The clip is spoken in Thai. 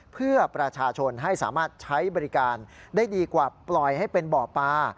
เพื่อประชาชนให้สามารถใช้บริการได้ดีกว่าปล่อยให้เป็นบ่อปลา